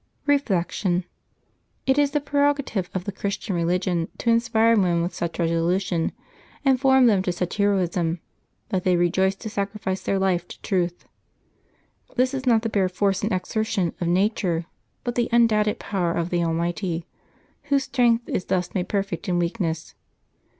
Reflection. — It is the prerogative of the Christian reli gion to inspire men with such resolution, and form them to such heroism, that they rejoice to sacrilBce their life to truth. This is not the bare force and exertion of nature, bnt the undoubted power of the Almighty, Whose strength is thus made perfect in weakness.